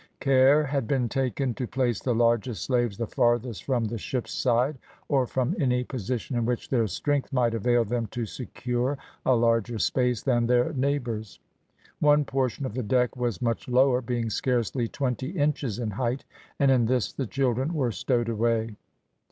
Care had been taken to place the largest slaves the farthest from the ship's side, or from any position in which their strength might avail them to secure a larger space than their neighbours. One portion of the deck was much lower, being scarcely twenty inches in height, and in this the children were stowed away.